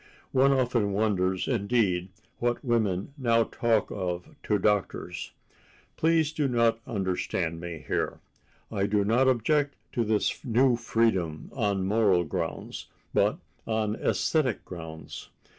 One often wonders, indeed, what women now talk of to doctors.... Please do not misunderstand me here. I do not object to this New Freedom on moral grounds, but on æsthetic grounds.